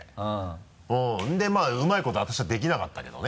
でまぁうまいこと私はできなかったけどね。